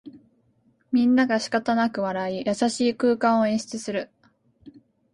みんながしかたなく笑い、優しい空間を演出する